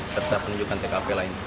serta penunjukkan tkp lainnya